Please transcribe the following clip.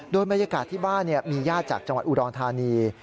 โดยแม่ยกาลที่บ้านมีญาติจากจังหวัดอุรรณฑารี